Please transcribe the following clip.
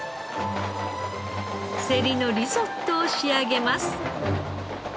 セリのリゾットを仕上げます。